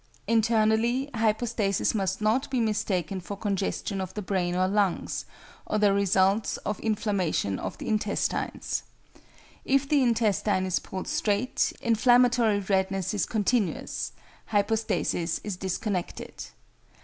Internally, hypostasis must not be mistaken for congestion of the brain or lungs, or the results of inflammation of the intestines. If the intestine is pulled straight, inflammatory redness is continuous, hypostasis is disconnected.